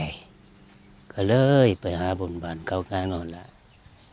ไม่เชื่อใจก็เลยไปหาบนบานเขาก็นั่งนั่งแล้ว